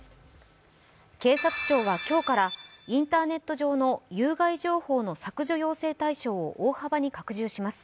警察庁は今日からインターネット上の有害情報の削除要請対象を大幅に拡充します。